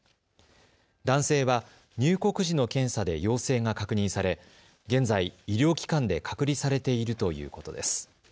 男性は入国時の検査で陽性が確認され現在、医療機関で隔離されているということです。